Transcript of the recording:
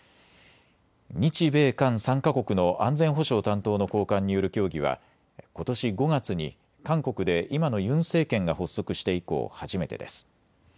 日米韓３か国の安全保障担当の高官による協議はことし５月に韓国で今のユン政権が発足して以降初めてです。